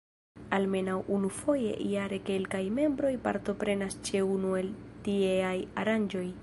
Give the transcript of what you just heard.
Almenaŭ unufoje jare kelkaj membroj partoprenas ĉe unu el tieaj aranĝoj.